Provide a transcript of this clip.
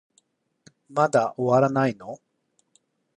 まだ終わらないの